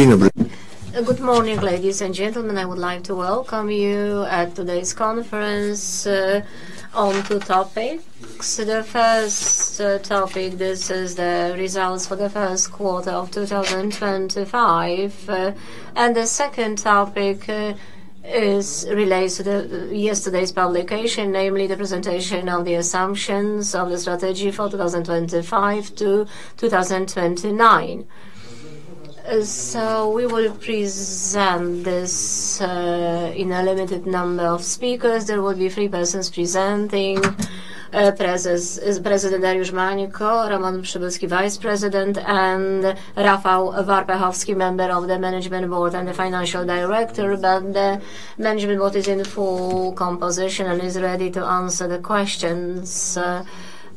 Good morning, ladies and gentlemen. I would like to welcome you at today's conference on two topics. The first topic is the results for the first quarter of 2025, and the second topic relates to yesterday's publication, namely the presentation of the assumptions of the strategy for 2025 to 2029. We will present this in a limited number of speakers. There will be three persons presenting: CEO Dariusz Mańko, Roman Przybylski, Vice President, and Rafał Warpechowski, member of the Management Board and the Financial Director. The Management Board is in full composition and is ready to answer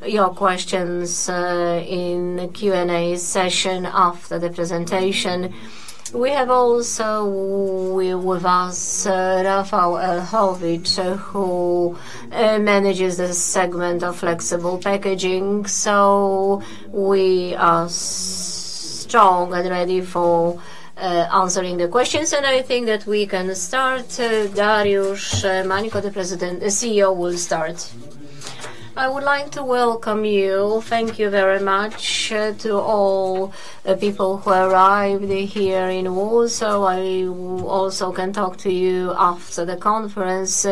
your questions in the Q&A session after the presentation. We have also with us Rafał Lechowicz, who manages the segment of flexible packaging. We are strong and ready for answering the questions. I think that we can start. Dariusz Mańko, the CEO, will start. I would like to welcome you. Thank you very much to all the people who arrived here in Warsaw. I also can talk to you after the conference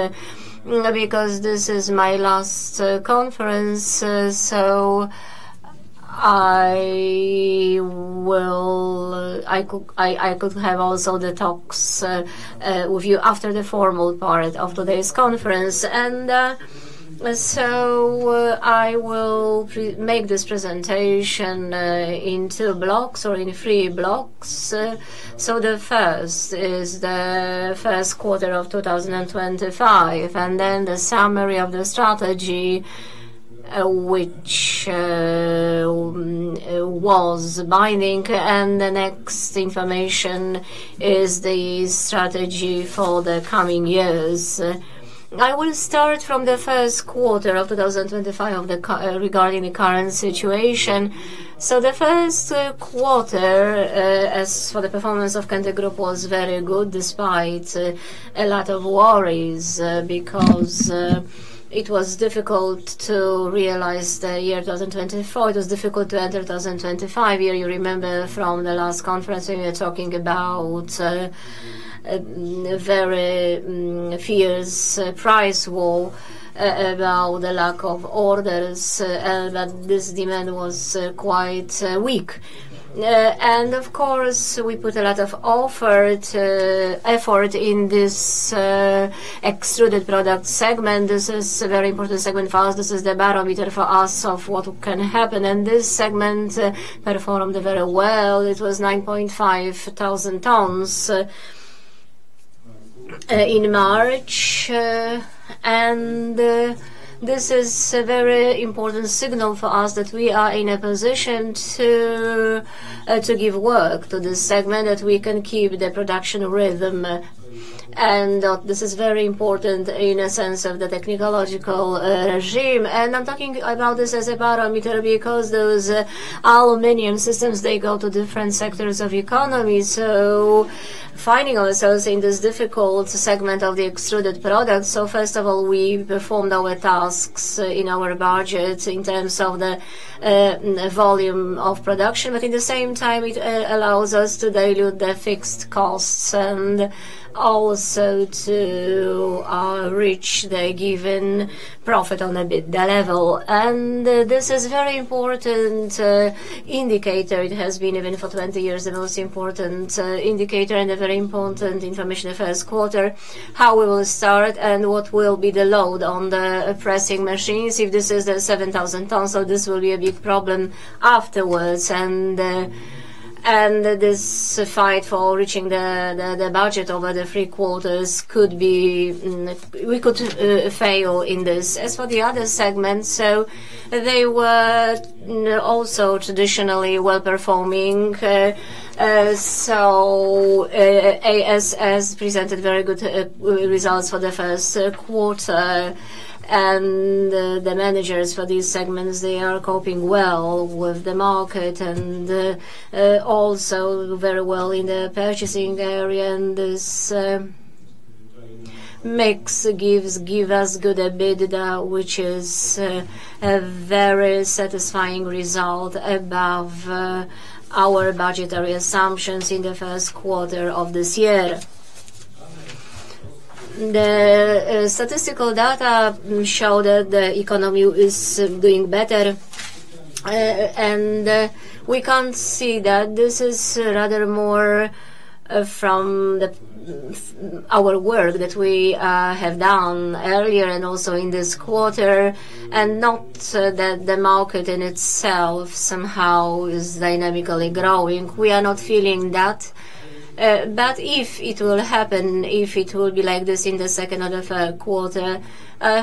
because this is my last conference. I could have also the talks with you after the formal part of today's conference. I will make this presentation in two blocks or in three blocks. The first is the first quarter of 2025, and then the summary of the strategy, which was binding. The next information is the strategy for the coming years. I will start from the first quarter of 2025 regarding the current situation. The first quarter, as for the performance of Grupa was very good despite a lot of worries because it was difficult to realize the year 2024. It was difficult to enter 2025. You remember from the last conference, we were talking about a very fare price war about the lack of orders, but this demand was quite weak. Of course, we put a lot of effort in this extruded product segment. This is a very important segment for us. This is the barometer for us of what can happen. This segment performed very well. It was 9,500 tons in March. This is a very important signal for us that we are in a position to give work to this segment, that we can keep the production rhythm. This is very important in a sense of the technological regime. I am talking about this as a barometer because those aluminum systems, they go to different sectors of the economy. Finding ourselves in this difficult segment of the extruded product, first of all, we performed our tasks in our budget in terms of the volume of production. At the same time, it allows us to dilute the fixed costs and also to reach the given profit on a bid level. This is a very important indicator. It has been even for 20 years the most important indicator and a very important information of first quarter, how we will start and what will be the load on the pressing machines. If this is 7,000 tons, this will be a big problem afterwards. This fight for reaching the budget over the three quarters could be we could fail in this. As for the other segments, they were also traditionally well-performing. ASS presented very good results for the first quarter. The managers for these segments, they are coping well with the market and also very well in the purchasing area. This mix gives us good EBITDA, which is a very satisfying result above our budgetary assumptions in the first quarter of this year. The statistical data show that the economy is doing better. We can't see that. This is rather more from our work that we have done earlier and also in this quarter, and not that the market in itself somehow is dynamically growing. We are not feeling that. If it will happen, if it will be like this in the second quarter,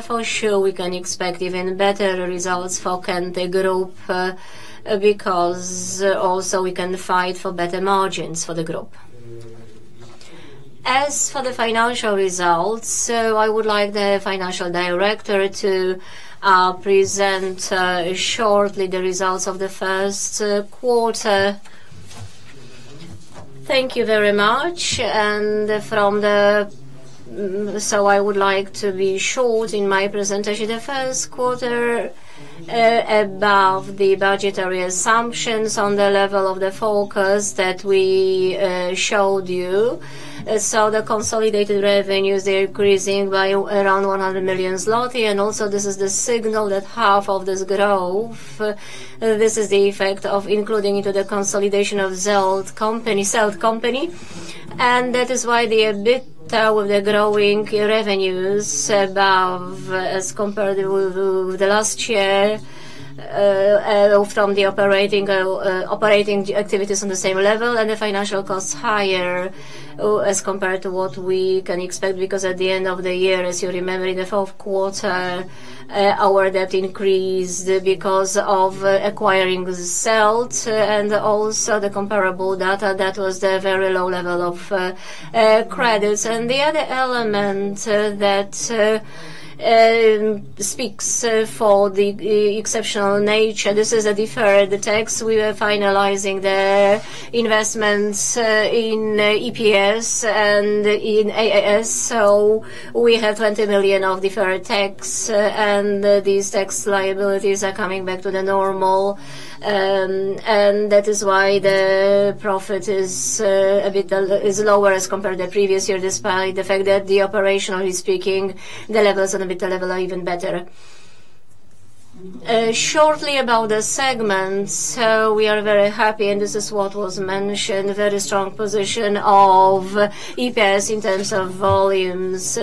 for sure we can expect even better results for Grupa because also we can fight for better margins for the group. As for the financial results, I would like the Financial Director to present shortly the results of the first quarter. Thank you very much. I would like to be short in my presentation of the first quarter above the budgetary assumptions on the level of the focus that we showed you. The consolidated revenues, they are increasing by around 100 million zloty. This is the signal that half of this growth is the effect of including into the consolidation of Zelt Company. That is why they are better with the growing revenues as compared with last year from the operating activities on the same level. The financial costs are higher as compared to what we can expect because at the end of the year, as you remember, in the fourth quarter, our debt increased because of acquiring Zelt. Also, the comparable data, that was the very low level of credits. The other element that speaks for the exceptional nature, this is a deferred tax. We were finalizing the investments in EPS and in AAS. We have 20 million of deferred tax, and these tax liabilities are coming back to normal. That is why the profit is a bit lower as compared to the previous year, despite the fact that, operationally speaking, the levels on the EBITDA level are even better. Shortly about the segments, we are very happy, and this is what was mentioned, very strong position of EPS in terms of volumes.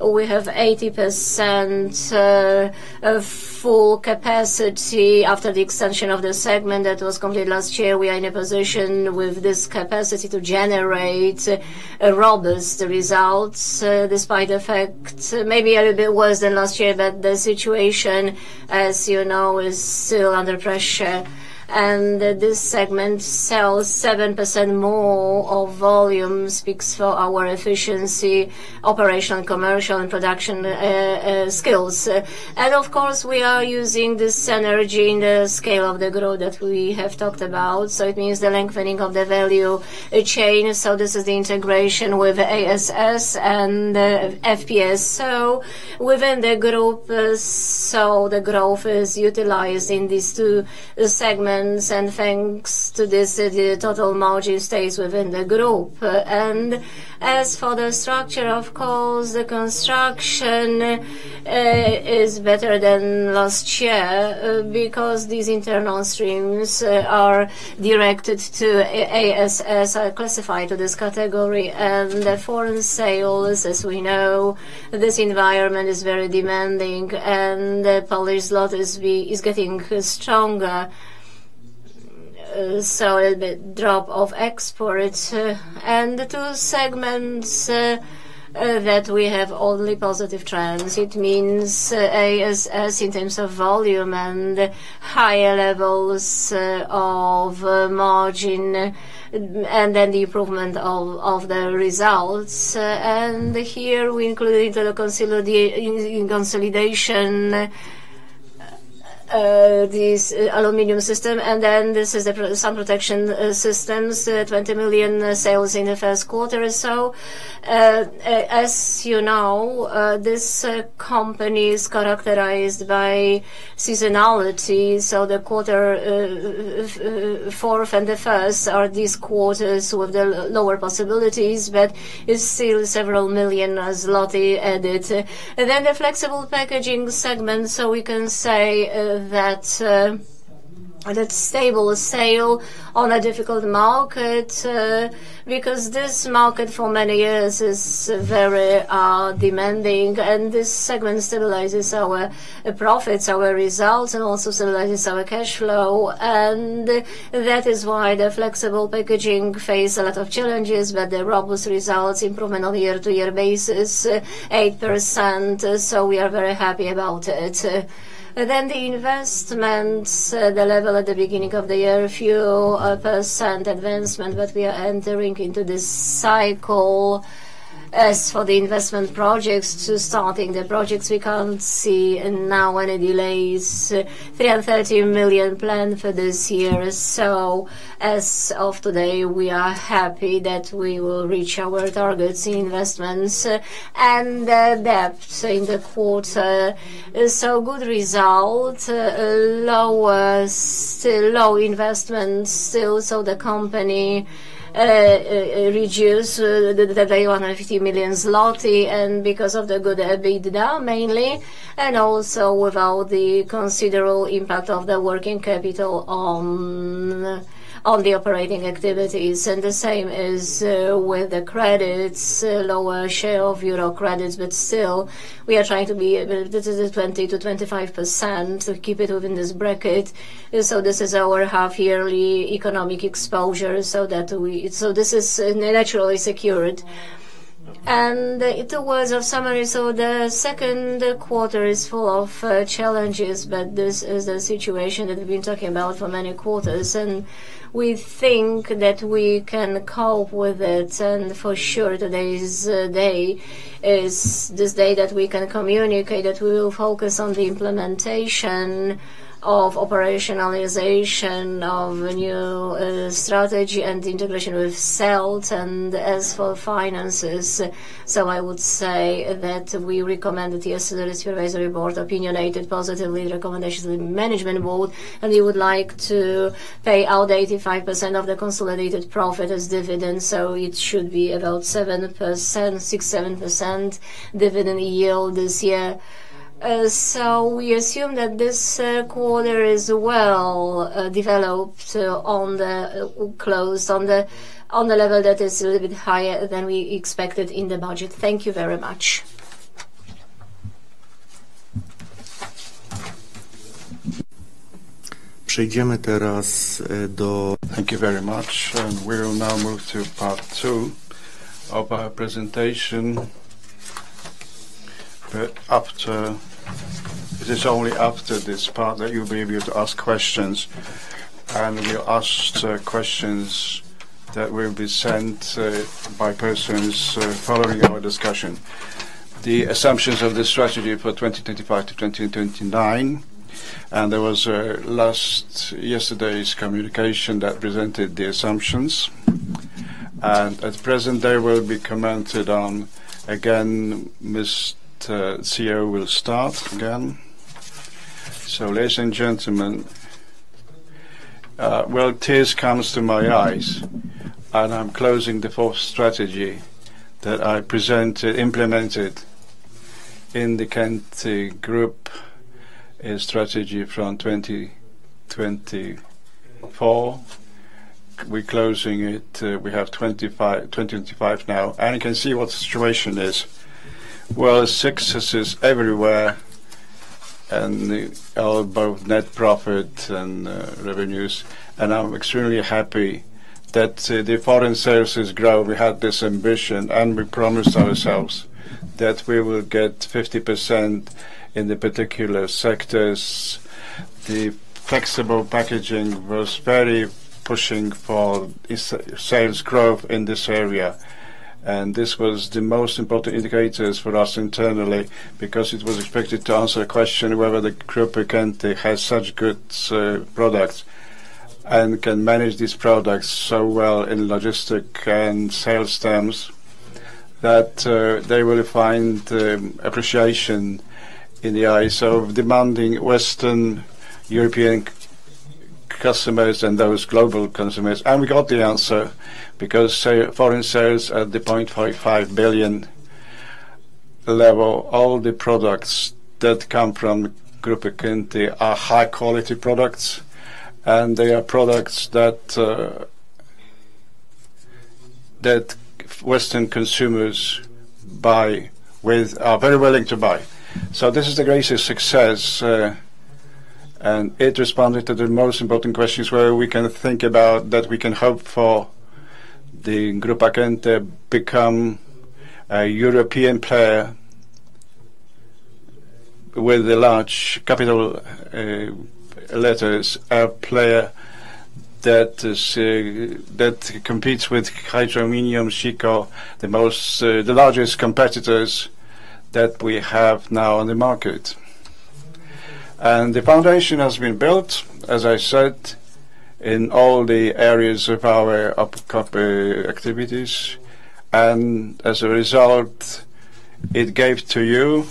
We have 80% full capacity after the extension of the segment that was completed last year. We are in a position with this capacity to generate robust results despite the fact, maybe a little bit worse than last year, that the situation, as you know, is still under pressure. This segment sells 7% more of volume, speaks for our efficiency, operational, commercial, and production skills. Of course, we are using this energy in the scale of the growth that we have talked about. It means the lengthening of the value chain. This is the integration with ASS and FPS. Within the group, the growth is utilized in these two segments. Thanks to this, the total margin stays within the group. As for the structure, the construction is better than last year because these internal streams are directed to ASS, are classified to this category. Foreign sales, as we know, this environment is very demanding, and the Polish zloty is getting stronger. A drop of export. The two segments that we have only positive trends. It means ASS in terms of volume and higher levels of margin, and then the improvement of the results. Here we included into the consolidation this aluminum system. This is the sun protection systems, 20 million sales in the first quarter. As you know, this company is characterized by seasonality. The quarter four and the first are these quarters with the lower possibilities, but it is still several million zloty added. The flexible packaging segment, we can say that stable sale on a difficult market because this market for many years is very demanding. This segment stabilizes our profits, our results, and also stabilizes our cash flow. That is why the flexible packaging faced a lot of challenges, but the robust results, improvement on a year-to-year basis, 8%. We are very happy about it. The investments, the level at the beginning of the year, a few percent advancement, but we are entering into this cycle. As for the investment projects, starting the projects, we can't see now any delays. 330 million planned for this year. As of today, we are happy that we will reach our targets in investments and depth in the quarter. Good result, low investments still. The company reduced the 150 million zloty because of the good bid now mainly, and also without the considerable impact of the working capital on the operating activities. The same is with the credits, lower share of EUR credits, but still we are trying to be able to do the 20-25% to keep it within this bracket. This is our half-yearly economic exposure so that we, this is naturally secured. Towards our summary, the second quarter is full of challenges, but this is the situation that we have been talking about for many quarters. We think that we can cope with it. For sure, today's day is this day that we can communicate that we will focus on the implementation of operationalization of a new strategy and integration with Zelt. As for finances, I would say that we recommended yesterday's Supervisory Board opinionated positively recommendations of the Management Board. They would like to pay out 85% of the consolidated profit as dividends. It should be about 6-7% dividend yield this year. We assume that this quarter is well developed on the level that is a little bit higher than we expected in the budget. Thank you very much. Thank you very much. We will now move to part two of our presentation. This is only after this part that you'll be able to ask questions. We will ask questions that will be sent by persons following our discussion. The assumptions of the strategy for 2025 to 2029. There was yesterday's communication that presented the assumptions. At present, they will be commented on. Again, Ms. CEO will start again. Ladies and gentlemen, tears come to my eyes. I am closing the fourth strategy that I presented, implemented in the Kety Group strategy from 2024. We are closing it. We have 2025 now. You can see what the situation is. Success is everywhere, in both net profit and revenues. I am extremely happy that the foreign services growth. We had this ambition, and we promised ourselves that we will get 50% in the particular sectors. The flexible packaging was very pushing for sales growth in this area. This was the most important indicator for us internally because it was expected to answer a question whether Grupa Kęty has such good products and can manage these products so well in logistic and sales terms that they will find appreciation in the eyes of demanding Western European customers and those global consumers. We got the answer because foreign sales at the 0.55 billion level, all the products that come from Grupa Kęty are high-quality products. They are products that Western consumers are very willing to buy. This is the greatest success. It responded to the most important questions where we can think about that we can hope for Grupa Kęty to become a European player with large capital letters, a player that competes with Hydro Aluminium, Sapa, the largest competitors that we have now on the market. The foundation has been built, as I said, in all the areas of our activities. As a result, it gave to you,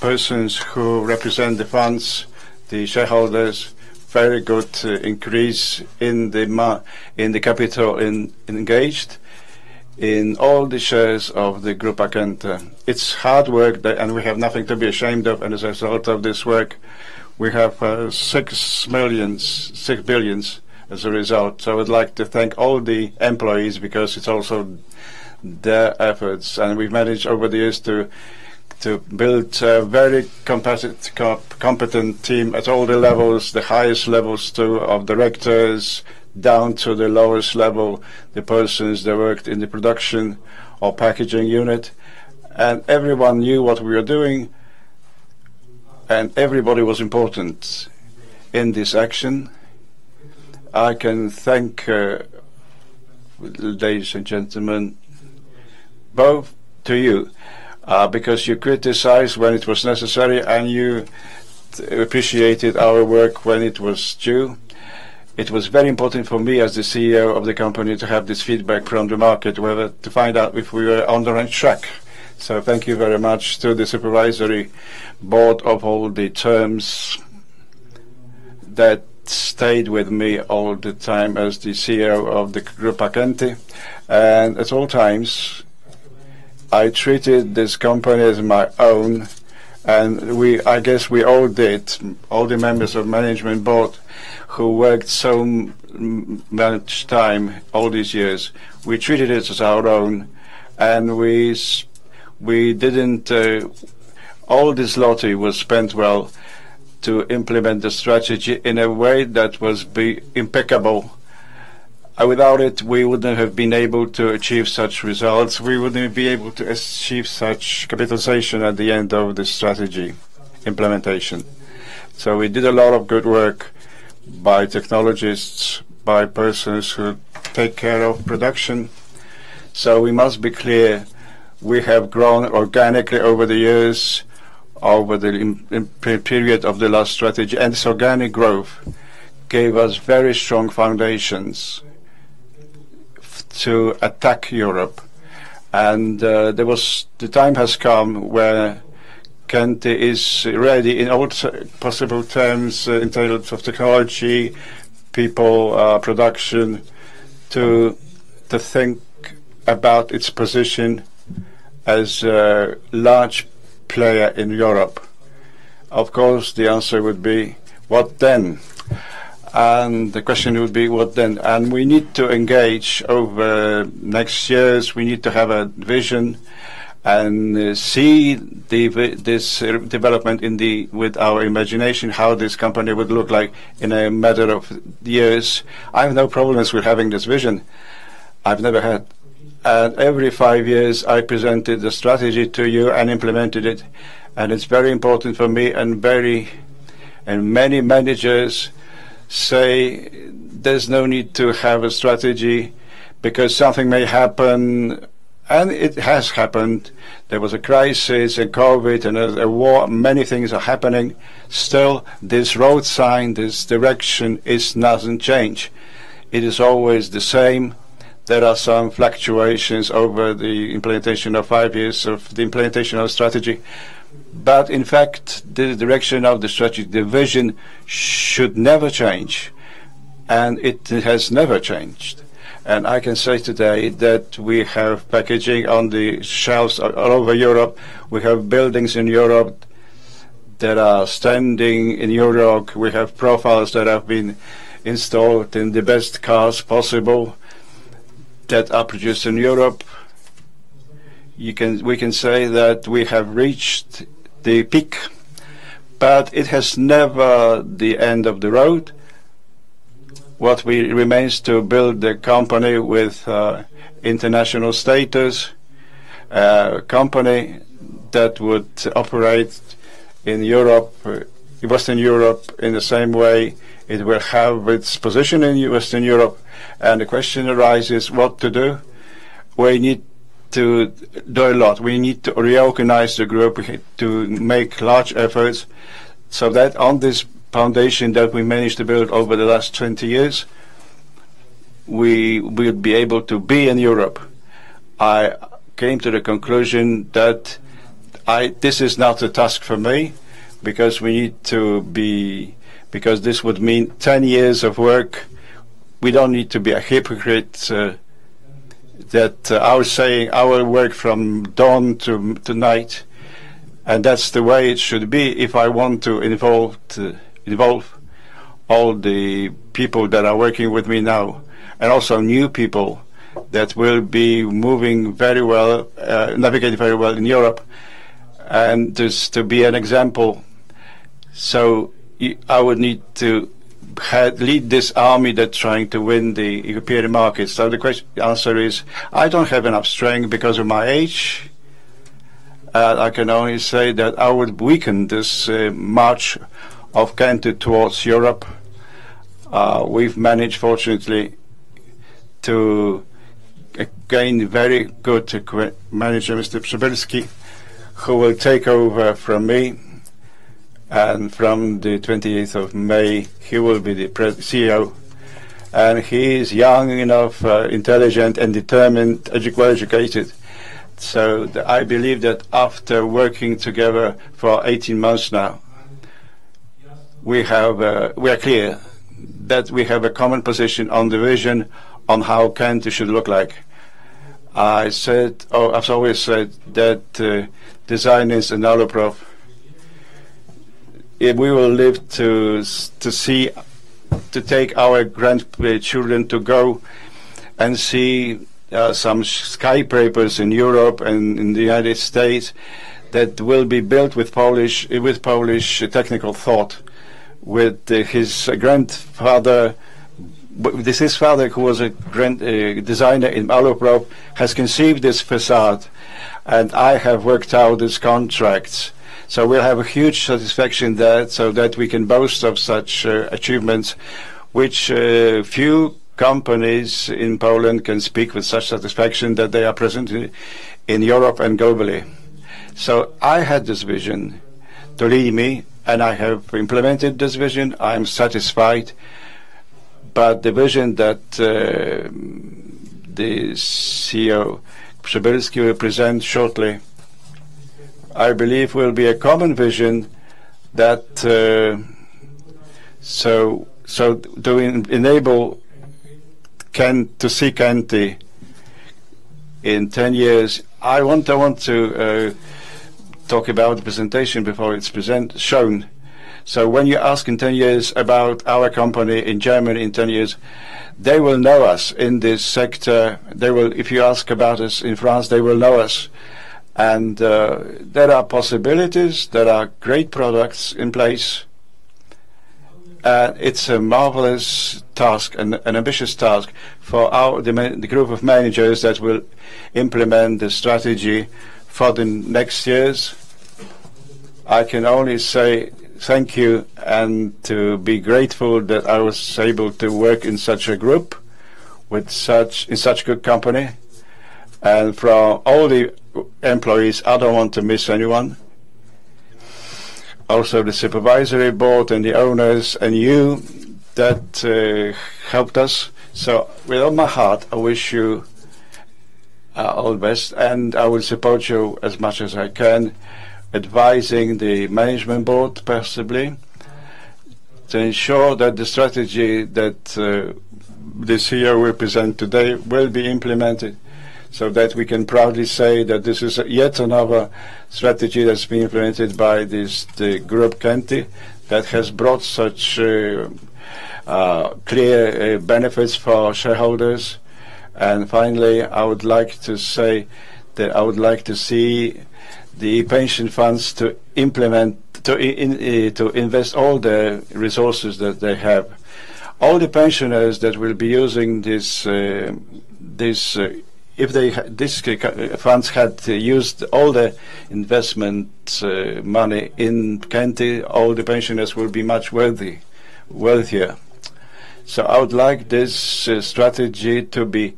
persons who represent the funds, the shareholders, very good increase in the capital engaged in all the shares of Grupa Kęty. It's hard work, and we have nothing to be ashamed of. As a result of this work, we have 6 billion as a result. I would like to thank all the employees because it's also their efforts. We have managed over the years to build a very competent team at all the levels, the highest levels too, of directors down to the lowest level, the persons that worked in the production or packaging unit. Everyone knew what we were doing, and everybody was important in this action. I can thank ladies and gentlemen, both to you, because you criticized when it was necessary, and you appreciated our work when it was due. It was very important for me as the CEO of the company to have this feedback from the market to find out if we were on the right track. Thank you very much to the supervisory board of all the terms that stayed with me all the time as the CEO of Grupa Kęty. At all times, I treated this company as my own. I guess we all did, all the members of the management board who worked so much time all these years, we treated it as our own. All this PLN was spent well to implement the strategy in a way that was impeccable. Without it, we would not have been able to achieve such results. We would not be able to achieve such capitalization at the end of the strategy implementation. We did a lot of good work by technologists, by persons who take care of production. We must be clear, we have grown organically over the years, over the period of the last strategy. This organic growth gave us very strong foundations to attack Europe. The time has come where Kety is ready in all possible terms in terms of technology, people, production, to think about its position as a large player in Europe. Of course, the answer would be, what then? The question would be, what then? We need to engage over next years. We need to have a vision and see this development with our imagination, how this company would look like in a matter of years. I have no problems with having this vision. I've never had. Every five years, I presented the strategy to you and implemented it. It is very important for me. Many managers say there's no need to have a strategy because something may happen. It has happened. There was a crisis, COVID, and a war. Many things are happening. Still, this road sign, this direction, it doesn't change. It is always the same. There are some fluctuations over the implementation of five years of the implementation of strategy. In fact, the direction of the strategy, the vision should never change. It has never changed. I can say today that we have packaging on the shelves all over Europe. We have buildings in Europe that are standing in Europe. We have profiles that have been installed in the best cars possible that are produced in Europe. We can say that we have reached the peak, but it is never the end of the road. What remains is to build the company with international status, a company that would operate in Europe, Western Europe, in the same way it will have its position in Western Europe. The question arises, what to do? We need to do a lot. We need to reorganize the group to make large efforts so that on this foundation that we managed to build over the last 20 years, we will be able to be in Europe. I came to the conclusion that this is not a task for me because we need to be because this would mean 10 years of work. We do not need to be a hypocrite that I was saying I will work from dawn to night. That is the way it should be if I want to involve all the people that are working with me now and also new people that will be moving very well, navigate very well in Europe and to be an example. I would need to lead this army that is trying to win the European markets. The answer is, I do not have enough strength because of my age. I can only say that I would weaken this march of Kęty towards Europe. We've managed, fortunately, to gain very good manager, Mr. Przybylski, who will take over from me. From the 28th of May, he will be the CEO. He is young enough, intelligent, and determined, well educated. I believe that after working together for 18 months now, we are clear that we have a common position on the vision on how Kęty should look like. I've always said that design is an AluProf. We will live to see to take our grandchildren to go and see some skyscrapers in Europe and in the United States that will be built with Polish technical thought. With his grandfather, this is his father who was a designer in AluProf, has conceived this façade. I have worked out these contracts. We will have a huge satisfaction there so that we can boast of such achievements, which few companies in Poland can speak with such satisfaction that they are present in Europe and globally. I had this vision to lead me, and I have implemented this vision. I am satisfied. The vision that CEO Przybylski will present shortly, I believe, will be a common vision to enable us to see Kety in 10 years. I want to talk about the presentation before it is shown. When you ask in 10 years about our company in Germany in 10 years, they will know us in this sector. If you ask about us in France, they will know us. There are possibilities. There are great products in place. It is a marvelous task and ambitious task for the group of managers that will implement the strategy for the next years. I can only say thank you and to be grateful that I was able to work in such a group with such a good company. For all the employees, I do not want to miss anyone. Also, the supervisory board and the owners and you that helped us. With all my heart, I wish you all the best. I will support you as much as I can, advising the management board possibly to ensure that the strategy that the CEO will present today will be implemented so that we can proudly say that this is yet another strategy that has been implemented by the Group of Kęty that has brought such clear benefits for shareholders. Finally, I would like to say that I would like to see the pension funds invest all the resources that they have. All the pensioners that will be using this, if these funds had used all the investment money in Kęty, all the pensioners will be much wealthier. I would like this strategy to be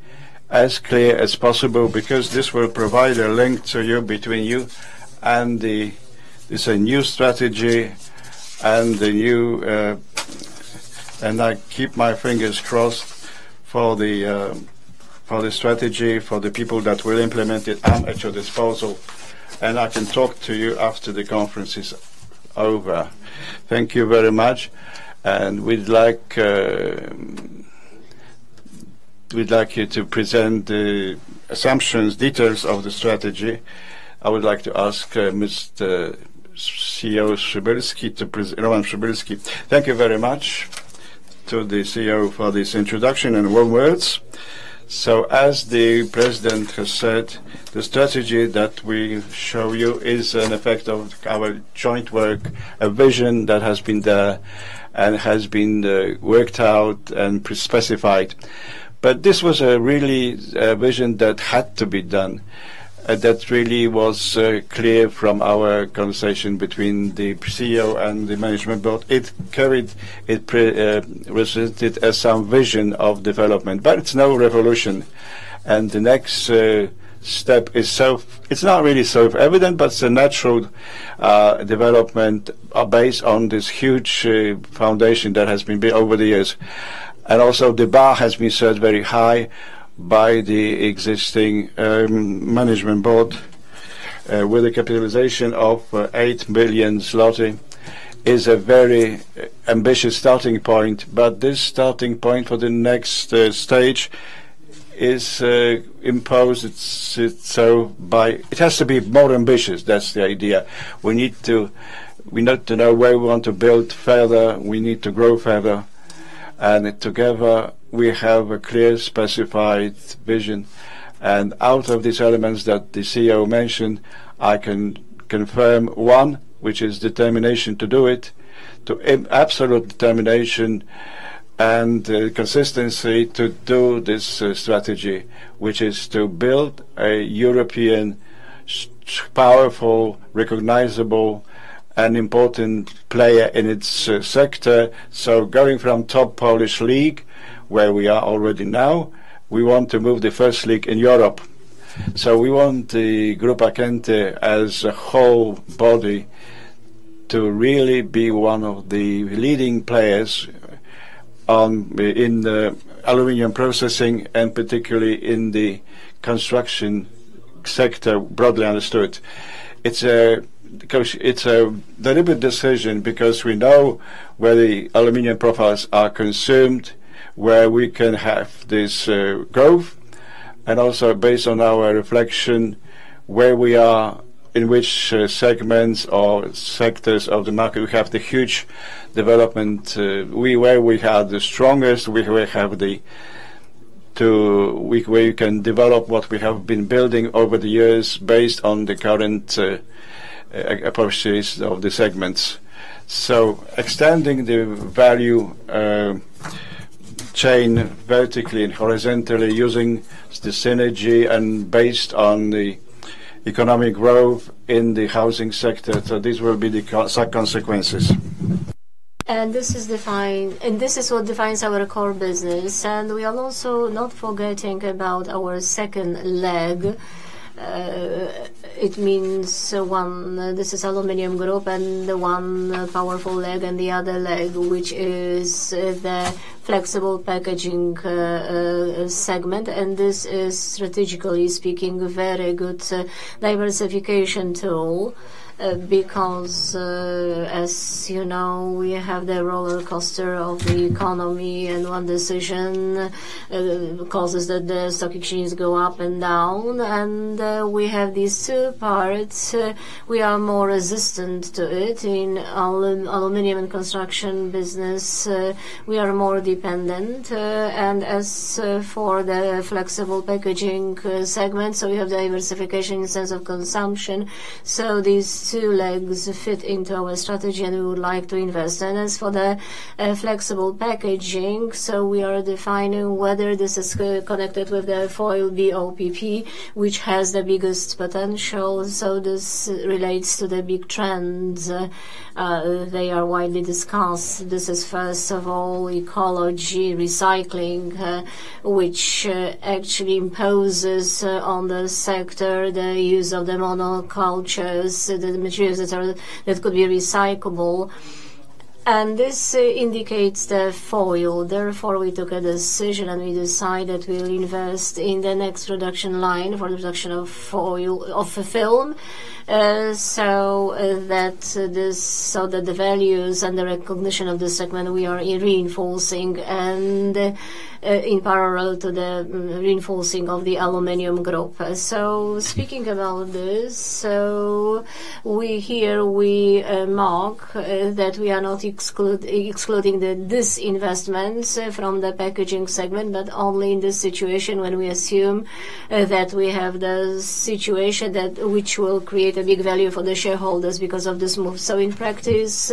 as clear as possible because this will provide a link between you and the new strategy, and I keep my fingers crossed for the strategy, for the people that will implement it. I'm at your disposal. I can talk to you after the conference is over. Thank you very much. We would like you to present the assumptions, details of the strategy. I would like to ask Mr. CEO Przybylski, Roman Przybylski. Thank you very much to the CEO for this introduction and warm words. As the President has said, the strategy that we show you is an effect of our joint work, a vision that has been there and has been worked out and specified. This was really a vision that had to be done, that really was clear from our conversation between the CEO and the management board. It represented some vision of development, but it's no revolution. The next step is self, it's not really self-evident, but it's a natural development based on this huge foundation that has been built over the years. Also, the bar has been set very high by the existing management board with a capitalization of 8 billion zloty. It's a very ambitious starting point, but this starting point for the next stage is imposed by. It has to be more ambitious. That's the idea. We need to know where we want to build further. We need to grow further. Together, we have a clear specified vision. Out of these elements that the CEO mentioned, I can confirm one, which is determination to do it, to absolute determination and consistency to do this strategy, which is to build a European, powerful, recognizable, and important player in its sector. Going from top Polish league, where we are already now, we want to move the first league in Europe. We want the Group of Kęty as a whole body to really be one of the leading players in aluminum processing and particularly in the construction sector, broadly understood. It is a deliberate decision because we know where the aluminum profiles are consumed, where we can have this growth. Also based on our reflection, where we are, in which segments or sectors of the market we have the huge development, where we are the strongest, where we have the way we can develop what we have been building over the years based on the current approaches of the segments. Extending the value chain vertically and horizontally using the synergy and based on the economic growth in the housing sector, these will be the consequences. This is defined, and this is what defines our core business. We are also not forgetting about our second leg. It means this is aluminum group and the one powerful leg and the other leg, which is the flexible packaging segment. This is, strategically speaking, a very good diversification tool because, as you know, we have the roller coaster of the economy and one decision causes the stock exchange to go up and down. We have these two parts. We are more resistant to it in aluminum and construction business. We are more dependent. As for the flexible packaging segment, we have diversification in terms of consumption. These two legs fit into our strategy and we would like to invest in. As for the flexible packaging, we are defining whether this is connected with the foil BOPP, which has the biggest potential. This relates to the big trends. They are widely discussed. This is, first of all, ecology, recycling, which actually imposes on the sector the use of the monocultures, the materials that could be recyclable. This indicates the foil. Therefore, we took a decision and we decided we'll invest in the next production line for the production of foil, of film, so that the values and the recognition of the segment we are reinforcing and in parallel to the reinforcing of the aluminum group. Speaking about this, here we mark that we are not excluding this investment from the packaging segment, but only in this situation when we assume that we have the situation which will create a big value for the shareholders because of this move. In practice,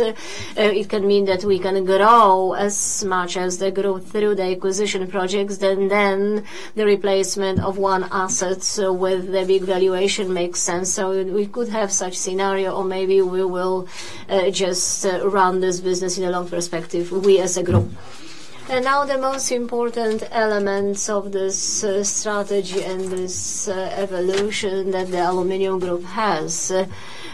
it can mean that we can grow as much as the growth through the acquisition projects, and then the replacement of one asset with the big valuation makes sense. We could have such a scenario or maybe we will just run this business in the long perspective, we as a group. Now the most important elements of this strategy and this evolution that the aluminum group has.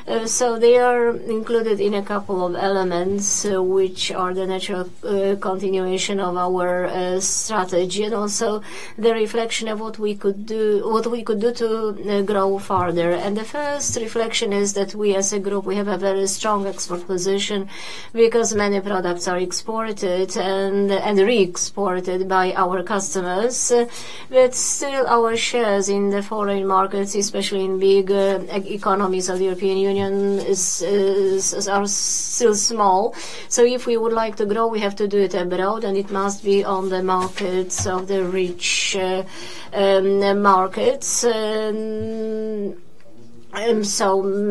They are included in a couple of elements which are the natural continuation of our strategy and also the reflection of what we could do to grow further. The first reflection is that we as a group, we have a very strong export position because many products are exported and re-exported by our customers. Still, our shares in the foreign markets, especially in big economies of the European Union, are still small. If we would like to grow, we have to do it abroad and it must be on the markets of the rich markets.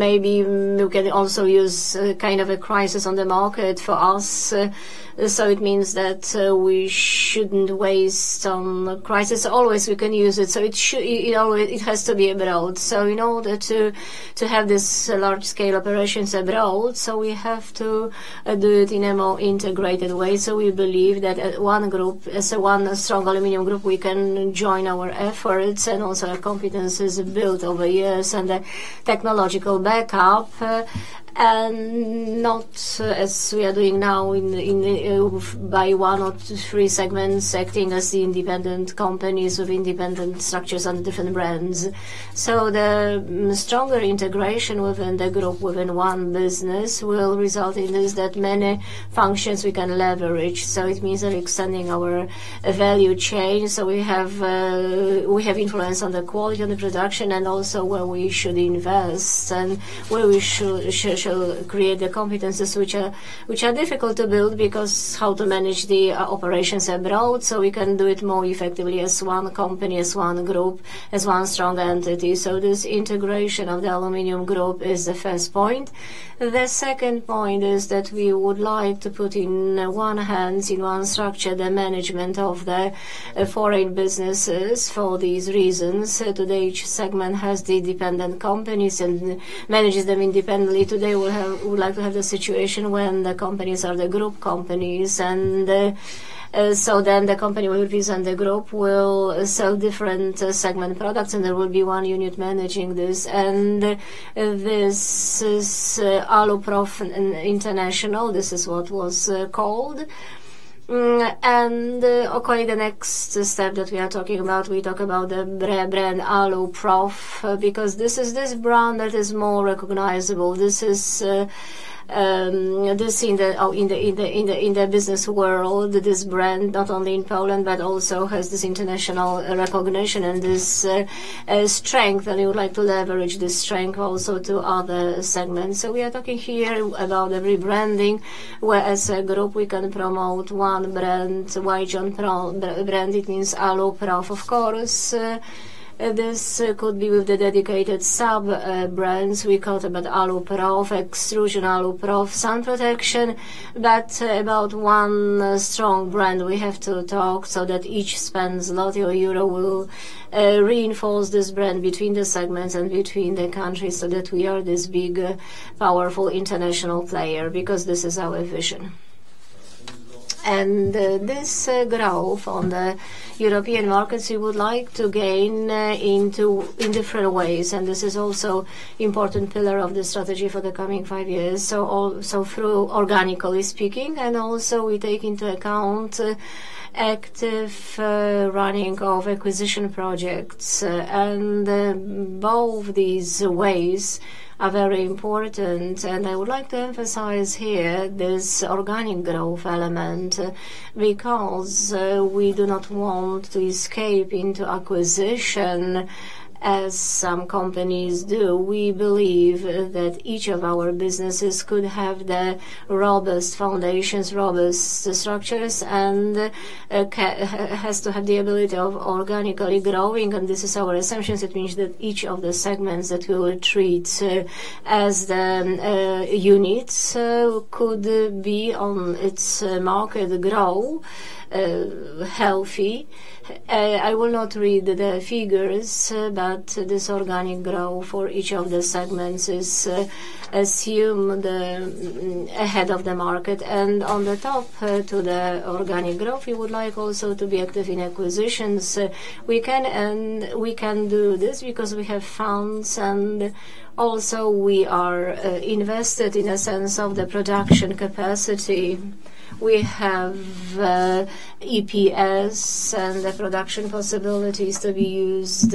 Maybe we can also use kind of a crisis on the market for us. It means that we shouldn't waste on crisis. Always we can use it. It has to be abroad. In order to have these large-scale operations abroad, we have to do it in a more integrated way. We believe that one group, as one strong aluminum group, we can join our efforts and also our competencies built over years and the technological backup. Not as we are doing now by one or three segments acting as independent companies with independent structures on different brands. The stronger integration within the group, within one business, will result in that many functions we can leverage. It means that extending our value chain. We have influence on the quality of the production and also where we should invest and where we should create the competencies which are difficult to build because how to manage the operations abroad. We can do it more effectively as one company, as one group, as one strong entity. This integration of the aluminum group is the first point. The second point is that we would like to put in one hand, in one structure, the management of the foreign businesses for these reasons. Today, each segment has the independent companies and manages them independently. Today, we would like to have the situation when the companies are the group companies. Then the company will represent the group, will sell different segment products, and there will be one unit managing this. This is AluProf International. This is what it was called. The next step that we are talking about, we talk about the brand AluProf because this is this brand that is more recognizable. This is in the business world, this brand, not only in Poland, but also has this international recognition and this strength. We would like to leverage this strength also to other segments. We are talking here about the rebranding, where as a group, we can promote one brand, AluProf brand. It means AluProf, of course. This could be with the dedicated sub-brands. We talked about AluProf, Extrusion AluProf, Sun Protection, but about one strong brand, we have to talk so that each spend PLN or EUR will reinforce this brand between the segments and between the countries so that we are this big, powerful international player because this is our vision. This growth on the European markets, we would like to gain in different ways. This is also an important pillar of the strategy for the coming five years. Through organically speaking, and also we take into account active running of acquisition projects. Both these ways are very important. I would like to emphasize here this organic growth element because we do not want to escape into acquisition as some companies do. We believe that each of our businesses could have the robust foundations, robust structures, and has to have the ability of organically growing. This is our assumption. It means that each of the segments that we will treat as the units could be on its market, grow healthy. I will not read the figures, but this organic growth for each of the segments is assumed ahead of the market. On the top to the organic growth, we would like also to be active in acquisitions. We can do this because we have funds and also we are invested in a sense of the production capacity. We have EPS and the production possibilities to be used.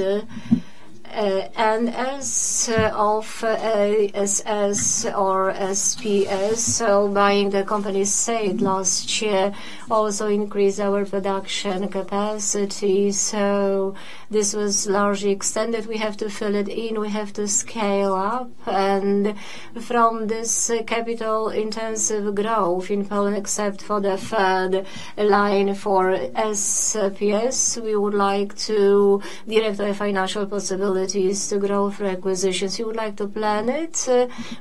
As of ASS or SPS, buying the company's side last year also increased our production capacity. This was largely extended. We have to fill it in. We have to scale up. From this capital-intensive growth in Poland, except for the third line for SPS, we would like to deliver the financial possibilities to growth requisitions. We would like to plan it.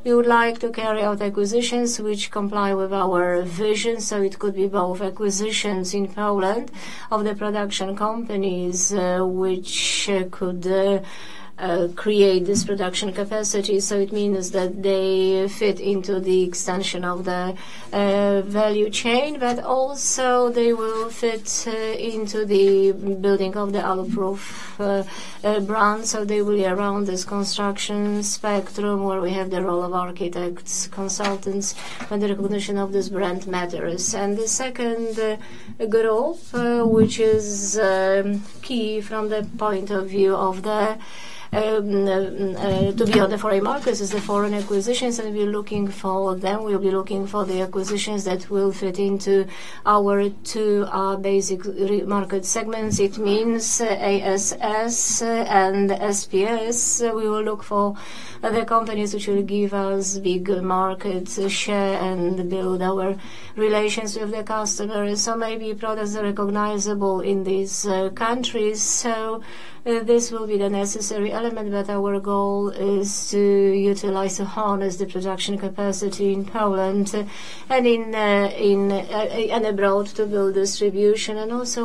We would like to carry out acquisitions which comply with our vision. It could be both acquisitions in Poland of the production companies which could create this production capacity. It means that they fit into the extension of the value chain, but also they will fit into the building of the AluProf brand. They will be around this construction spectrum where we have the role of architects, consultants, and the recognition of this brand matters. The second growth, which is key from the point of view of the to be on the foreign markets, is the foreign acquisitions. We are looking for them. We will be looking for the acquisitions that will fit into our two basic market segments. It means ASS and SPS. We will look for the companies which will give us big market share and build our relations with the customers. Maybe products that are recognizable in these countries. This will be the necessary element, but our goal is to utilize and harness the production capacity in Poland and abroad to build distribution.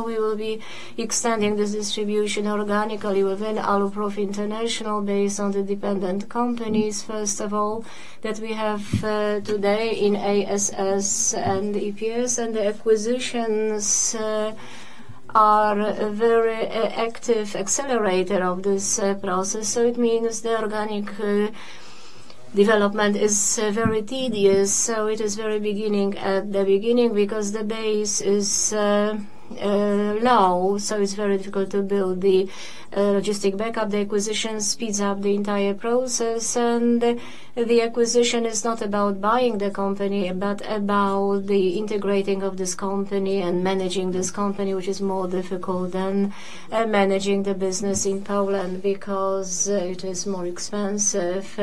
We will be extending this distribution organically within AluProf International based on the dependent companies, first of all, that we have today in ASS and EPS. The acquisitions are a very active accelerator of this process. It means the organic development is very tedious. It is very beginning at the beginning because the base is low. It is very difficult to build the logistic backup. The acquisition speeds up the entire process. The acquisition is not about buying the company, but about the integrating of this company and managing this company, which is more difficult than managing the business in Poland because it is more expensive.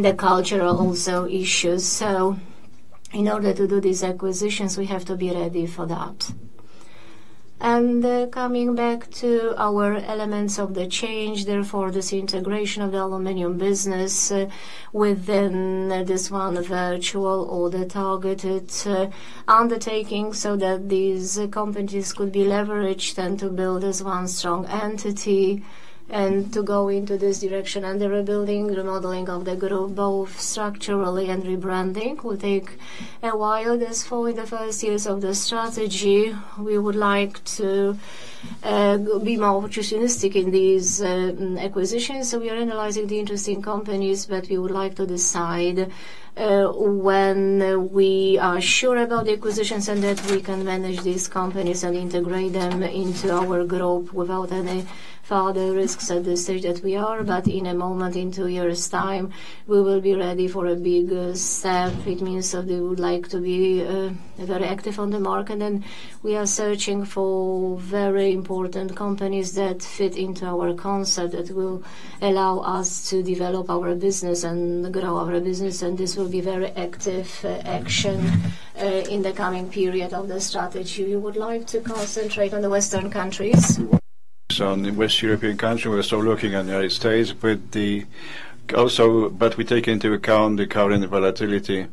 The culture are also issues. In order to do these acquisitions, we have to be ready for that. Coming back to our elements of the change, therefore this integration of the aluminum business within this one virtual or the targeted undertaking so that these companies could be leveraged and to build as one strong entity and to go into this direction. The rebuilding, remodeling of the group, both structurally and rebranding will take a while. Therefore, in the first years of the strategy, we would like to be more opportunistic in these acquisitions. We are analyzing the interesting companies, but we would like to decide when we are sure about the acquisitions and that we can manage these companies and integrate them into our group without any further risks at this stage that we are. In a moment, in two years' time, we will be ready for a big step. It means that we would like to be very active on the market. We are searching for very important companies that fit into our concept that will allow us to develop our business and grow our business. This will be very active action in the coming period of the strategy. We would like to concentrate on the Western countries. On the West European country, we're still looking at the United States, but we take into account the current volatility.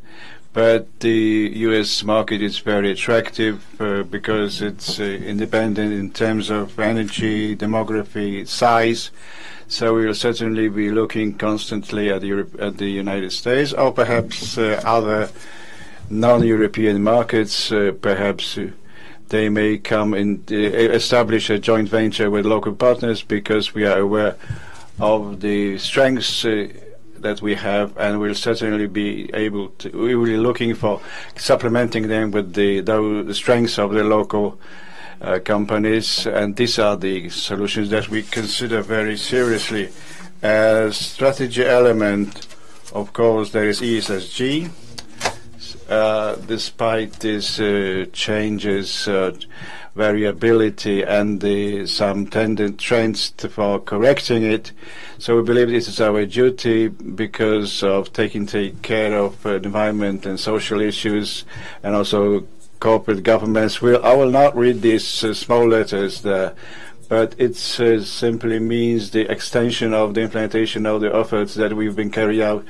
The U.S. market is very attractive because it's independent in terms of energy, demography, size. We will certainly be looking constantly at the United States or perhaps other non-European markets. Perhaps they may come and establish a joint venture with local partners because we are aware of the strengths that we have and we'll certainly be able to we will be looking for supplementing them with the strengths of the local companies. These are the solutions that we consider very seriously as a strategy element. Of course, there is ESG, despite these changes, variability, and some trends for correcting it. We believe this is our duty because of taking care of environment and social issues and also corporate governance. I will not read these small letters, but it simply means the extension of the implementation of the efforts that we've been carrying out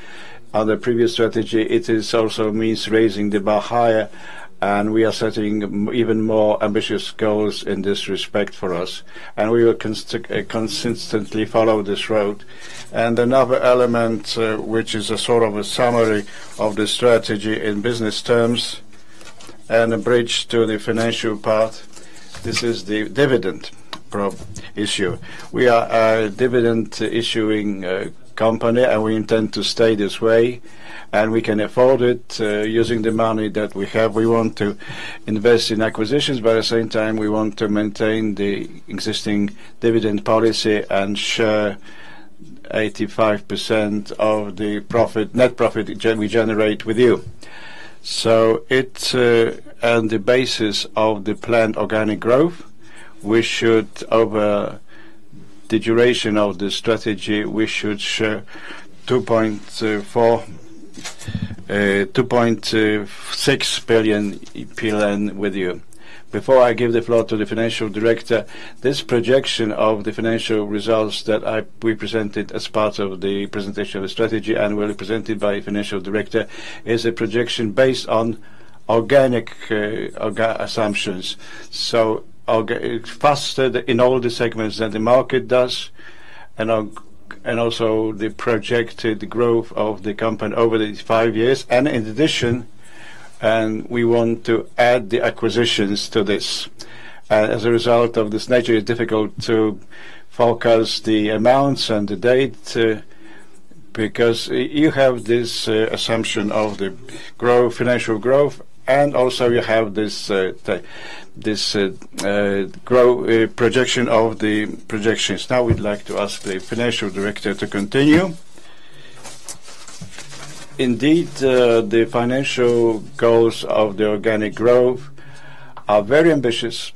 on the previous strategy. It also means raising the bar higher, and we are setting even more ambitious goals in this respect for us. We will consistently follow this road. Another element, which is a sort of a summary of the strategy in business terms and a bridge to the financial part, this is the dividend issue. We are a dividend-issuing company, and we intend to stay this way. We can afford it using the money that we have. We want to invest in acquisitions, but at the same time, we want to maintain the existing dividend policy and share 85% of the net profit we generate with you. It is on the basis of the planned organic growth. Over the duration of the strategy, we should share 2.6 billion with you. Before I give the floor to the Financial Director, this projection of the financial results that we presented as part of the presentation of the strategy and will be presented by the Financial Director is a projection based on organic assumptions. Faster in all the segments than the market does, and also the projected growth of the company over these five years. In addition, we want to add the acquisitions to this. As a result of this nature, it's difficult to forecast the amounts and the date because you have this assumption of the financial growth, and also you have this projection of the projections. Now we'd like to ask the Financial Director to continue. Indeed, the financial goals of the organic growth are very ambitious.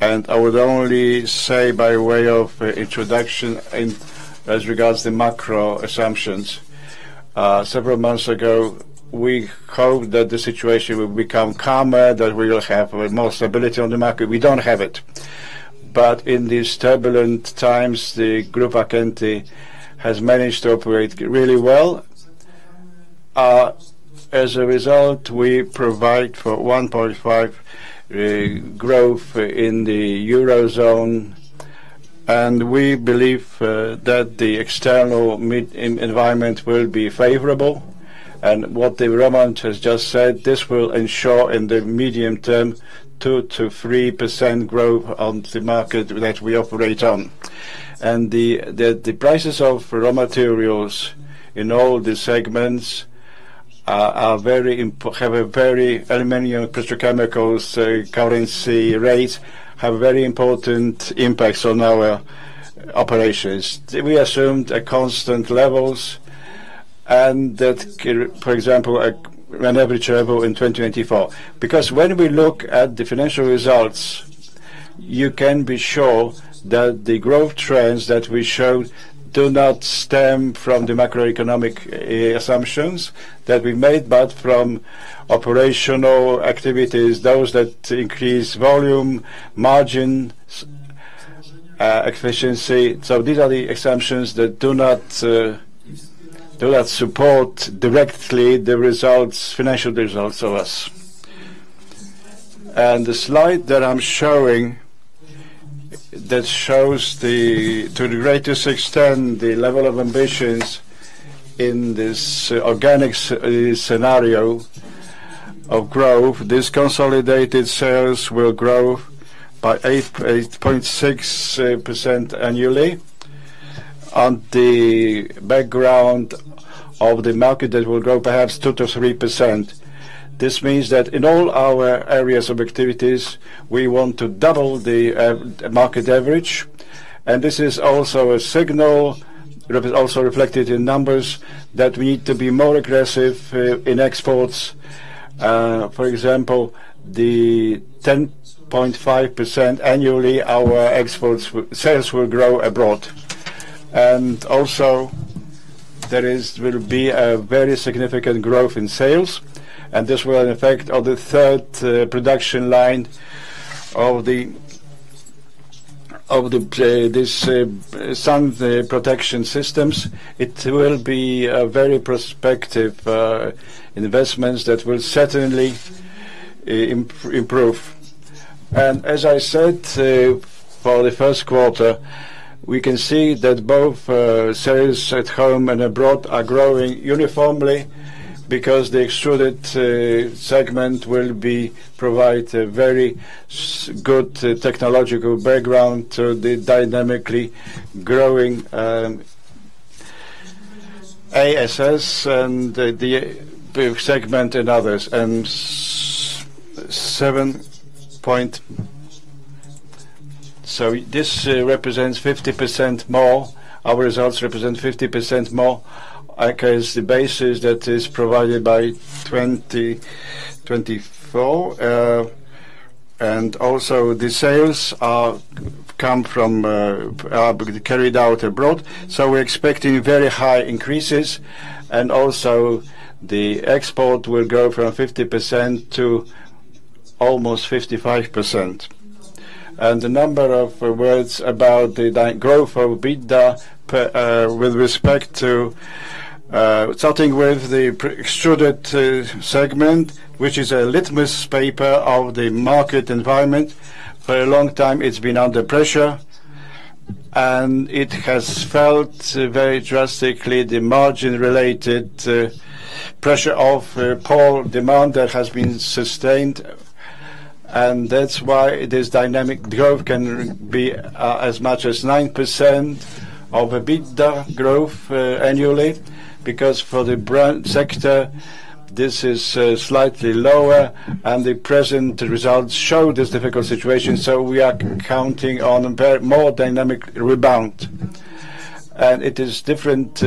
I would only say by way of introduction as regards the macro assumptions, several months ago, we hoped that the situation would become calmer, that we will have more stability on the market. We do not have it. In these turbulent times, the group accounting has managed to operate really well. As a result, we provide for 1.5% growth in the eurozone. We believe that the external environment will be favorable. What Roman has just said will ensure in the medium term 2-3% growth on the market that we operate on. The prices of raw materials in all the segments, aluminum, petrochemicals, currency rate, have very important impacts on our operations. We assumed constant levels and that, for example, an average level in 2024. Because when we look at the financial results, you can be sure that the growth trends that we showed do not stem from the macroeconomic assumptions that we made, but from operational activities, those that increase volume, margin, efficiency. These are the assumptions that do not support directly the financial results of us. The slide that I'm showing that shows to the greatest extent the level of ambitions in this organic scenario of growth, this consolidated sales will grow by 8.6% annually on the background of the market that will grow perhaps 2-3%. This means that in all our areas of activities, we want to double the market average. This is also a signal, also reflected in numbers, that we need to be more aggressive in exports. For example, the 10.5% annually, our export sales will grow abroad. Also, there will be a very significant growth in sales. This will affect the third production line of these sun protection systems. It will be very prospective investments that will certainly improve. As I said, for the first quarter, we can see that both sales at home and abroad are growing uniformly because the extruded segment will provide a very good technological background to the dynamically growing ASS and the segment and others. Seven. This represents 50% more. Our results represent 50% more against the basis that is provided by 2024. Also, the sales come from carried out abroad. We are expecting very high increases. Also, the export will go from 50% to almost 55%. A number of words about the growth of EBITDA with respect to starting with the extruded segment, which is a litmus paper of the market environment. For a long time, it has been under pressure. It has felt very drastically the margin-related pressure of poor demand that has been sustained. That is why this dynamic growth can be as much as 9% of EBITDA growth annually because for the brand sector, this is slightly lower. The present results show this difficult situation. We are counting on more dynamic rebound. It is different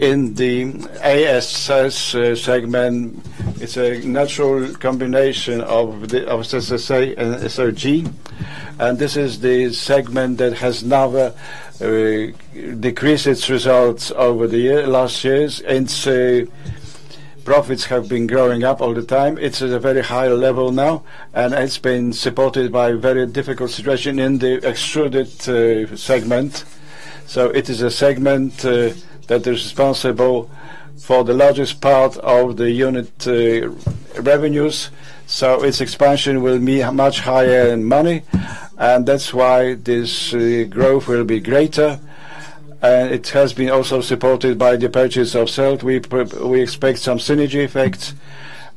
in the ASS segment. It is a natural combination of SSA and SOG. This is the segment that has never decreased its results over the last years. Its profits have been growing up all the time. It is at a very high level now. It has been supported by a very difficult situation in the extruded segment. It is a segment that is responsible for the largest part of the unit revenues. Its expansion will be much higher in money. That is why this growth will be greater. It has been also supported by the purchase of sales. We expect some synergy effects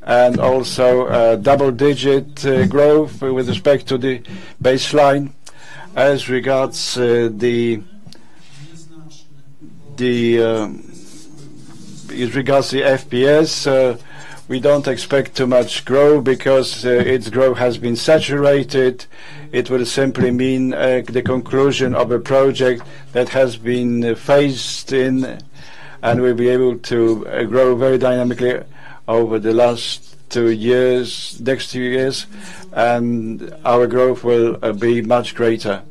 and also double-digit growth with respect to the baseline. As regards the FPS, we do not expect too much growth because its growth has been saturated. It will simply mean the conclusion of a project that has been phased in, and we will be able to grow very dynamically over the last next few years. Our growth will be much greater.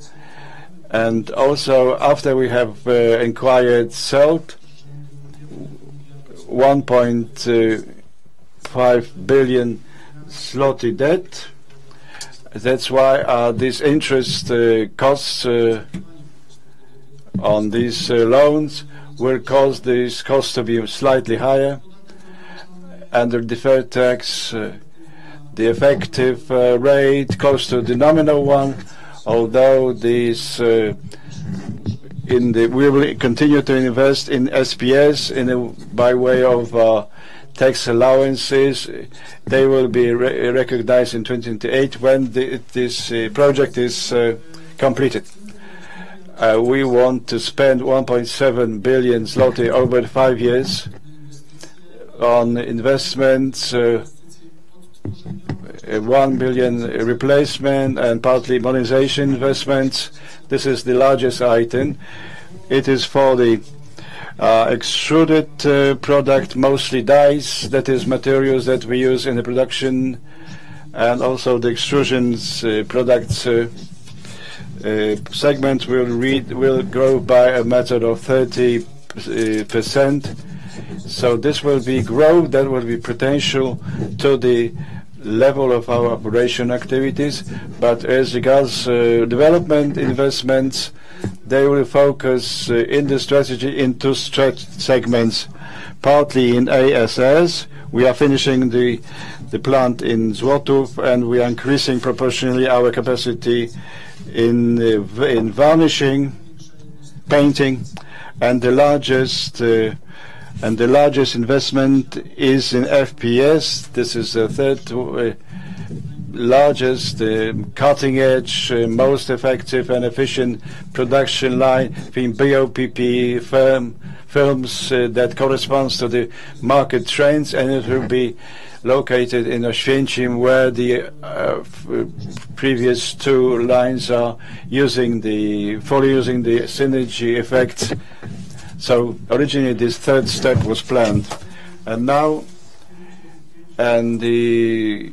Also, after we have acquired sales, 1.5 billion debt. That is why this interest cost on these loans will cause these costs to be slightly higher. Under deferred tax, the effective rate goes to the nominal one, although we will continue to invest in SPS by way of tax allowances. They will be recognized in 2028 when this project is completed. We want to spend 1.7 billion zloty over five years on investments, PLN 1 billion replacement, and partly monetization investments. This is the largest item. It is for the extruded product, mostly dies. That is materials that we use in the production. Also, the Extruded Products segment will grow by a method of 30%. This will be growth that will be potential to the level of our operation activities. As regards development investments, they will focus in the strategy into stressed segments, partly in ASS. We are finishing the plant in Złotów, and we are increasing proportionally our capacity in varnishing, painting. The largest investment is in FPS. This is the third largest cutting-edge, most effective, and efficient production line being BOPP films that corresponds to the market trends. It will be located in Oświęcim, where the previous two lines are fully using the synergy effect. Originally, this third step was planned. Now, when we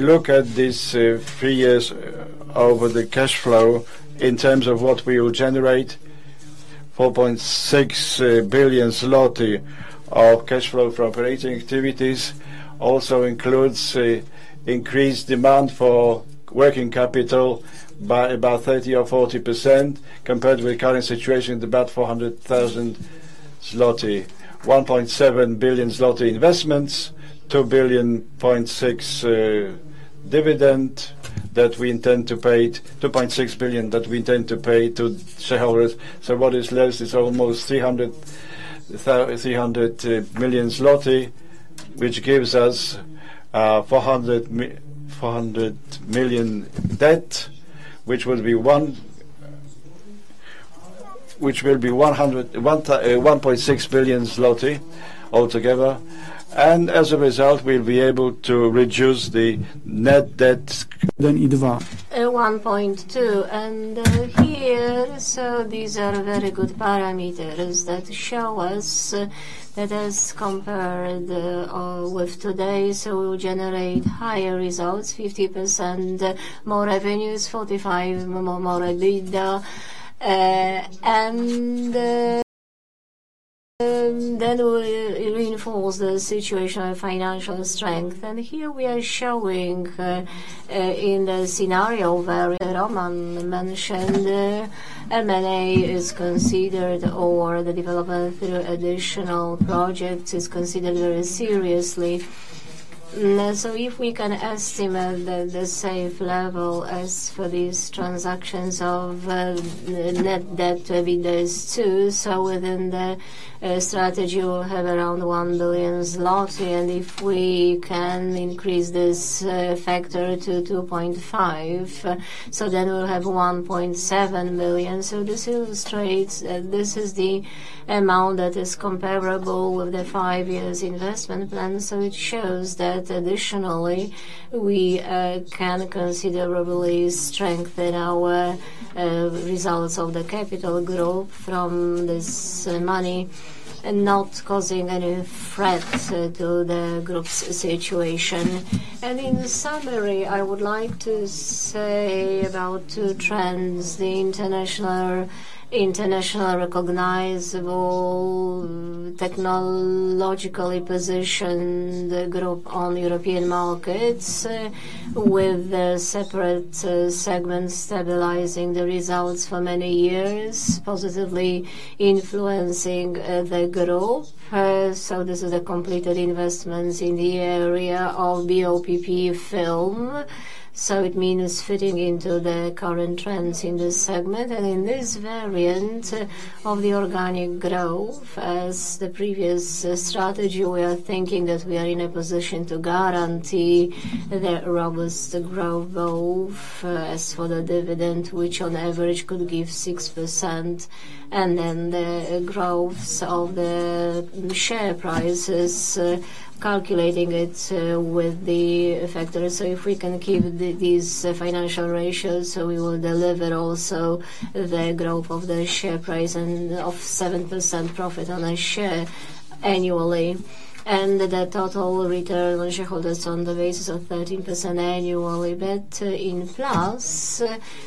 look at these three years over the cash flow in terms of what we will generate, 4.6 billion zloty of cash flow for operating activities also includes increased demand for working capital by about 30-40% compared with the current situation in about 400 million zloty. 1.7 billion zloty investments, 2.6 billion dividend that we intend to pay, 2.6 billion that we intend to pay to shareholders. What is left is almost 300 million zloty, which gives us 400 million debt, which will be 1.6 billion zloty altogether. As a result, we will be able to reduce the net debt. 1.2 billion. PLN 1.2 billion. These are very good parameters that show us that as compared with today, we will generate higher results, 50% more revenues, 45% more EBITDA. Then we reinforce the situation of financial strength. Here we are showing in the scenario where Roman mentioned M&A is considered or the development through additional projects is considered very seriously. If we can estimate the safe level as for these transactions of net debt to EBITDA is 2, within the strategy, we will have around 1 billion zlotys slotted. If we can increase this factor to 2.5, we will have 1.7 billion. This illustrates that this is the amount that is comparable with the five-year investment plan. It shows that additionally, we can considerably strengthen our results of the capital group from this money and not causing any threats to the group's situation. In summary, I would like to say about two trends, the international recognizable technologically positioned group on European markets with the separate segments stabilizing the results for many years, positively influencing the group. This is a completed investment in the area of BOPP film. It means fitting into the current trends in this segment. In this variant of the organic growth, as the previous strategy, we are thinking that we are in a position to guarantee the robust growth both as for the dividend, which on average could give 6%. The growth of the share prices, calculating it with the factors, if we can keep these financial ratios, we will deliver also the growth of the share price and of 7% profit on a share annually. The total return on shareholders on the basis of 13% annually, but in plus.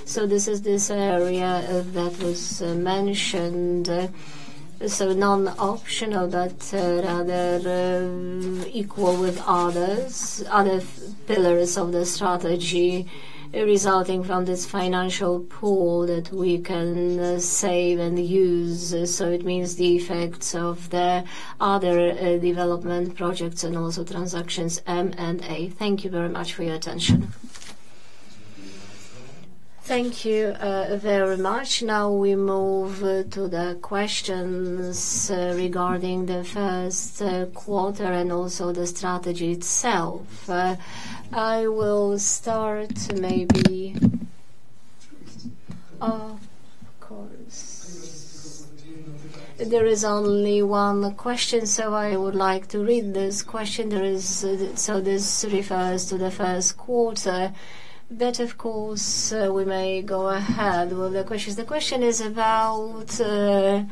This is this area that was mentioned. Non-optional, but rather equal with other pillars of the strategy resulting from this financial pool that we can save and use. It means the effects of the other development projects and also transactions M&A. Thank you very much for your attention. Thank you very much. Now we move to the questions regarding the first quarter and also the strategy itself. I will start maybe. Of course. There is only one question, so I would like to read this question. This refers to the first quarter. Of course, we may go ahead with the questions. The question is about the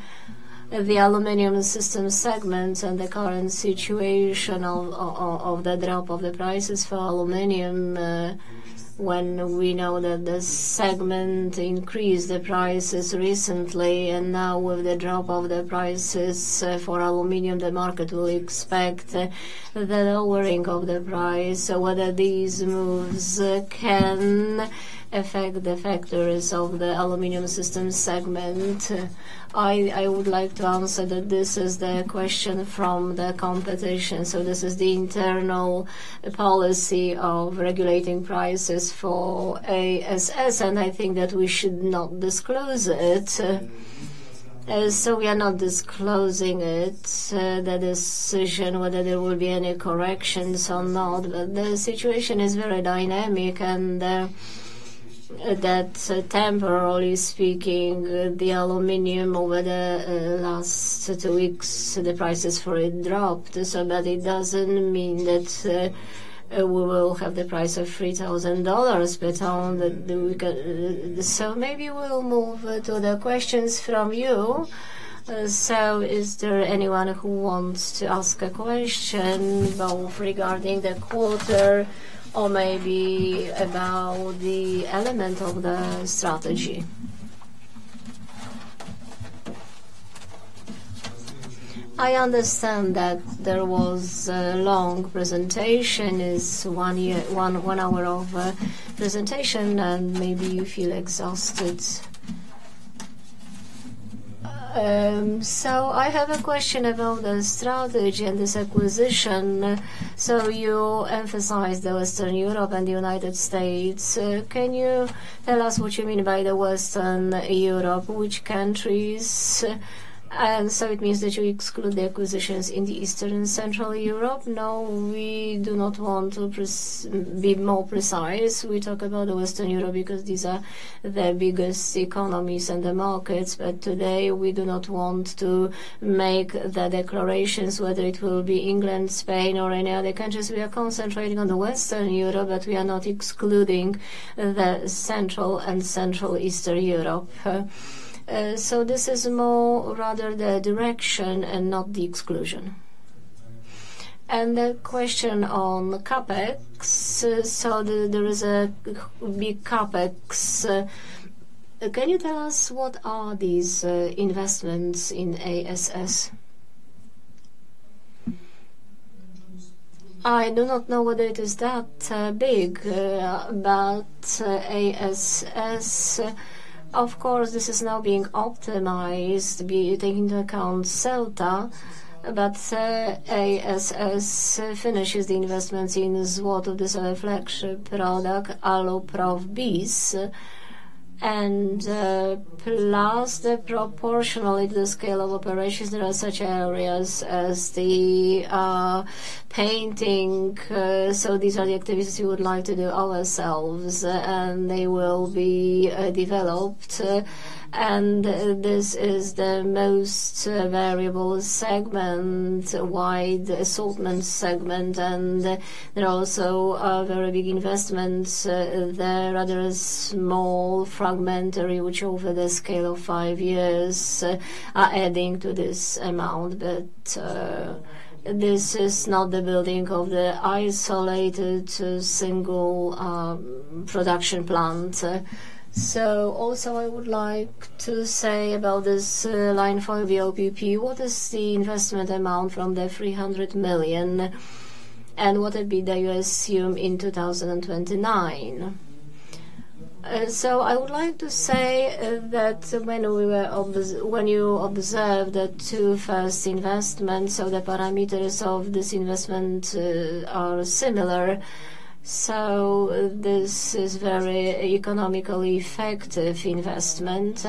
aluminum system segment and the current situation of the drop of the prices for aluminum when we know that the segment increased the prices recently. Now with the drop of the prices for aluminum, the market will expect the lowering of the price. Whether these moves can affect the factors of the aluminum system segment. I would like to answer that this is the question from the competition. This is the internal policy of regulating prices for ASS. I think that we should not disclose it. We are not disclosing it, the decision whether there will be any corrections or not. The situation is very dynamic. Temporarily speaking, the aluminum over the last two weeks, the prices for it dropped. That does not mean that we will have the price of $3,000, but on the weekend. Maybe we will move to the questions from you. Is there anyone who wants to ask a question both regarding the quarter or maybe about the element of the strategy? I understand that there was a long presentation, one hour of presentation, and maybe you feel exhausted. I have a question about the strategy and this acquisition. You emphasized the Western Europe and the United States. Can you tell us what you mean by the Western Europe? Which countries? It means that you exclude the acquisitions in the Eastern and Central Europe? No, we do not want to be more precise. We talk about the Western Europe because these are the biggest economies and the markets. Today, we do not want to make the declarations, whether it will be England, Spain, or any other countries. We are concentrating on the Western Europe, but we are not excluding the Central and Central Eastern Europe. This is more rather the direction and not the exclusion. The question on CapEx. There is a big CapEx. Can you tell us what are these investments in ASS? I do not know whether it is that big, but ASS, of course, this is now being optimized to be taken into account Zelt. ASS finishes the investments in Złotów as a reflective product, AluProfBees. Plus, proportionally to the scale of operations, there are such areas as the painting. These are the activities we would like to do ourselves, and they will be developed. This is the most variable segment, wide assortment segment. There are also very big investments there. Other small fragmentary, which over the scale of five years are adding to this amount. This is not the building of the isolated single production plant. I would like to say about this line for BOPP, what is the investment amount from the 300 million and what would be the USUM in 2029? I would like to say that when you observe the two first investments, the parameters of this investment are similar. This is a very economically effective investment.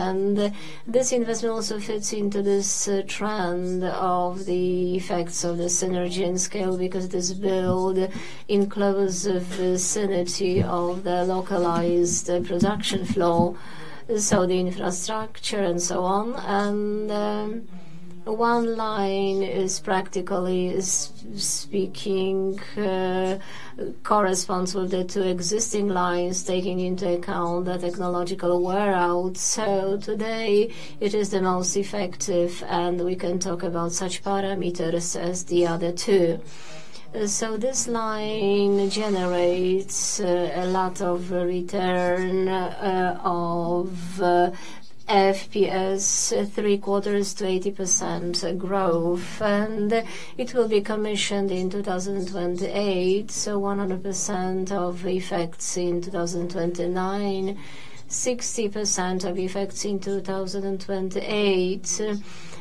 This investment also fits into this trend of the effects of the synergy and scale because this build includes the vicinity of the localized production flow, the infrastructure and so on. One line is, practically speaking, corresponds with the two existing lines taking into account the technological warehouse. Today, it is the most effective, and we can talk about such parameters as the other two. This line generates a lot of return of FPS, three-quarters to 80% growth. It will be commissioned in 2028, so 100% of effects in 2029, 60% of effects in 2028.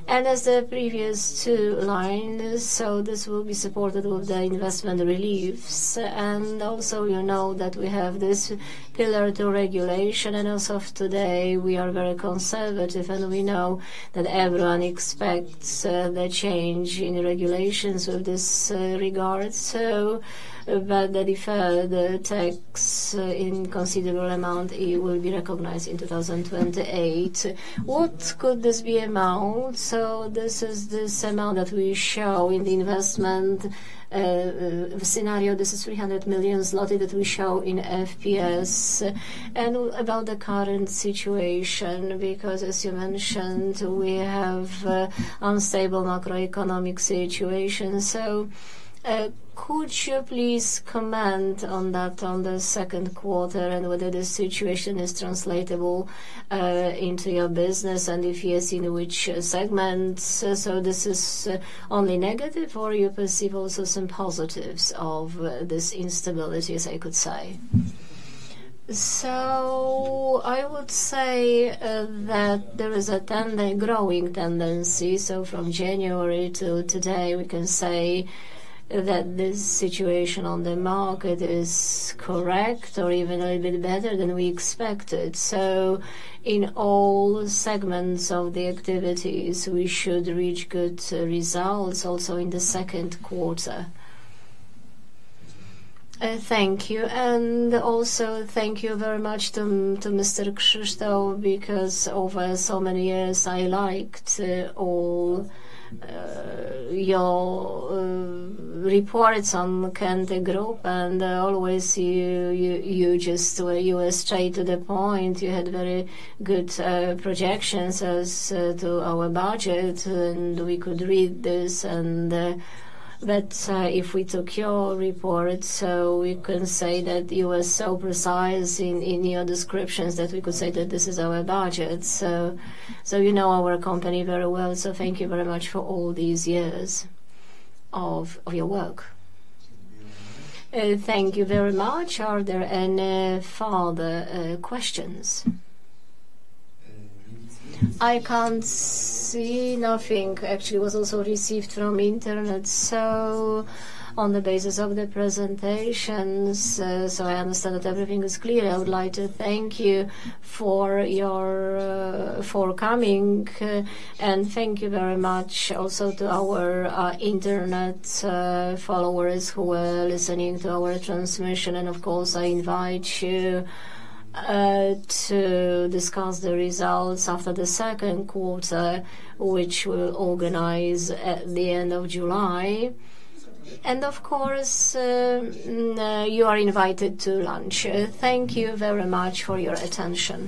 As the previous two lines, this will be supported with the investment reliefs. You know that we have this pillar to regulation. As of today, we are very conservative, and we know that everyone expects the change in regulations with this regard. The deferred tax in considerable amount will be recognized in 2028. What could this be amount? This is this amount that we show in the investment scenario. This is 300 million zloty that we show in FPS. About the current situation, because as you mentioned, we have an unstable macroeconomic situation. Could you please comment on that on the second quarter and whether this situation is translatable into your business and if you're seeing which segments? Is this only negative, or do you perceive also some positives of this instability, as I could say? I would say that there is a growing tendency. From January to today, we can say that this situation on the market is correct or even a little bit better than we expected. In all segments of the activities, we should reach good results also in the second quarter. Thank you. Also, thank you very much to Mr.Przybylski because over so many years, I liked all your reports on Grupa Kęty. You were straight to the point. You had very good projections as to our budget, and we could read this. If we took your reports, we can say that you were so precise in your descriptions that we could say that this is our budget. You know our company very well. Thank you very much for all these years of your work. Thank you very much. Are there any further questions? I can't see nothing. Actually, it was also received from internet. On the basis of the presentations, I understand that everything is clear. I would like to thank you for coming. Thank you very much also to our internet followers who are listening to our transmission. Of course, I invite you to discuss the results after the second quarter, which we will organize at the end of July. Of course, you are invited to lunch. Thank you very much for your attention.